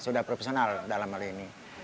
sudah profesional dalam hal ini